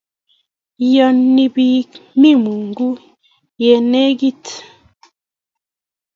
Iyoni bik, mi Mungu ye negit